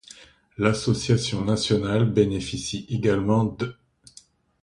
L'association nationale bénéficie également d'.